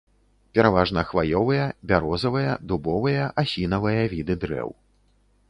Пераважна хваёвыя, бярозавыя, дубовыя, асінавыя віды дрэў.